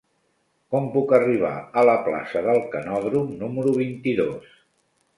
Com puc arribar a la plaça del Canòdrom número vint-i-dos?